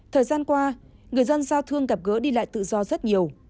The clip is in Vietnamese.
thời gian qua người dân giao thương gặp gỡ đi lại tự do rất nhiều